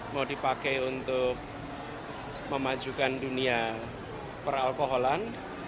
mau dipakai untuk memajukan dunia peralkoholan